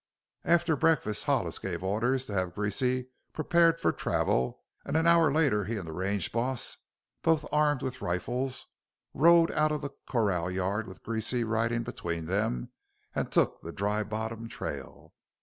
After breakfast Hollis gave orders to have Greasy prepared for travel, and an hour later he and the range boss, both armed with rifles, rode out of the corral yard with Greasy riding between them and took the Dry Bottom trail.